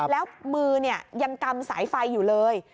แล้วมือยังกำสายไฟอยู่เลย